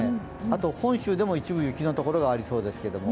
あと本州でも一部雪のところがありそうですけれども。